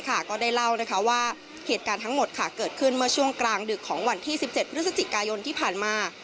ก็ได้เล่าว่าเหตุการณ์ทั้งหมดเกิดขึ้นเมื่อช่วงกลางดึกของวันที่๑๗พฤศจิกายนที่ผ่านมา